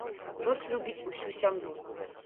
Пёс любіць усю сям'ю.